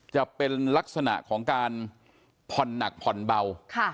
จะเป็นลักษณะของการผ่อนหนักผ่อนเบา